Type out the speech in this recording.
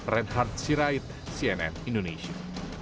reinhard sirait cnn indonesia